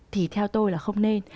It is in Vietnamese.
thì theo tôi là không nên